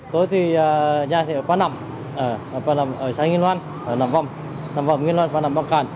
tôi thì nhà thị ở quán nằm ở xã nguyên loan ở nằm vòng nằm vòng nguyên loan quán nằm bắc cạn